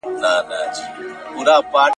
• تر پردي زوى مو دا خپله پکه لور ښه ده.